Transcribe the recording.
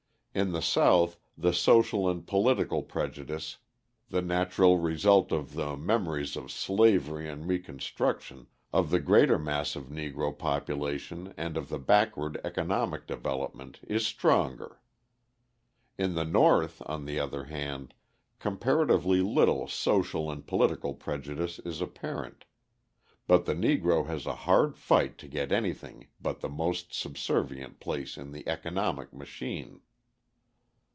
In the South the social and political prejudice the natural result of the memories of slavery and reconstruction, of the greater mass of Negro population and of the backward economic development, is stronger. In the North, on the other hand, comparatively little social and political prejudice is apparent; but the Negro has a hard fight to get anything but the most subservient place in the economic machine.